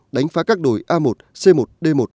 đánh phá các đồi a một c một d một